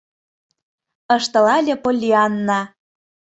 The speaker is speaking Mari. — Ышталале Поллианна.